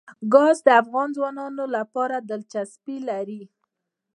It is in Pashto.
ګاز د افغان ځوانانو لپاره دلچسپي لري.